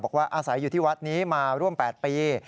อาศัยอยู่ที่วัดนี้มาร่วม๘ปี